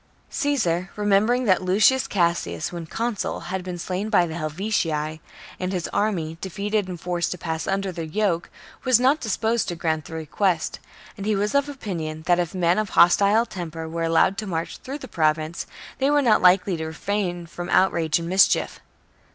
Caesar, remembering that Lucius Cassius, when consul, had been slain by the Helvetii, and his army defeated and forced to pass under the yoke, was not disposed to grant their request ; and he was of opinion that if men of hostile temper were ^ March 24 of the Julian calendar. HELVETII AND ARIOVISTUS 7 allowed to march through the Province, they were 58 b.c. not likely to refrain from outrage and mischief.